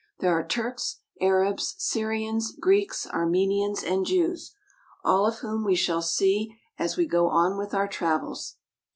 There are Turks, Arabs, Syrians, Greeks, Armenians, and Jews, all of whom we shall see as we go on with our travels.